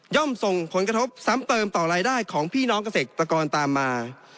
ส่งผลกระทบซ้ำเติมต่อรายได้ของพี่น้องเกษตรกรตามมา